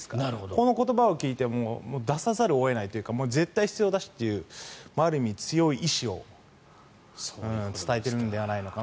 この言葉を聞いて出さざるを得ないというか絶対に必要だしというある意味、強い意思を伝えてるのではないかなと。